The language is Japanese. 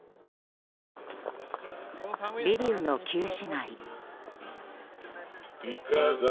リビウの旧市街。